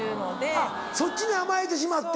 あっそっちに甘えてしまって。